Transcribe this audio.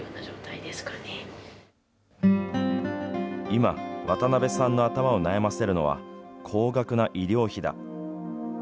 今、渡邉さんの頭を悩ませるのは、高額な医療費だ。